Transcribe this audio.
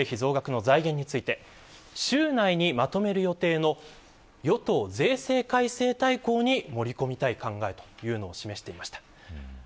自民党の税制調査会は防衛費増額の財源について週内にまとめる予定の与党税制改正大綱に盛り込みたい考えというのを示していました。